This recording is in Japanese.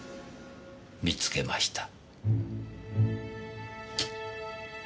見つけました。